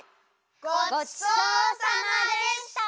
ごちそうさまでした！